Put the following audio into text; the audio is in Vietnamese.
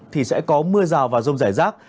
thì sẽ có mưa rào và rông rải rác